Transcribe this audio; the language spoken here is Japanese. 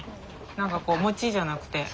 何かこうモチじゃなくて。